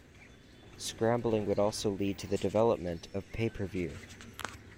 Scrambling would also lead to the development of pay-per-view.